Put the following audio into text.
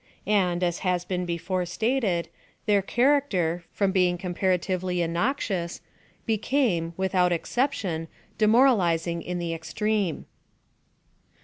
And, as has been before stated, their character, from being comparatively innoxious, became, without excep tion, demoralizing in the extreme.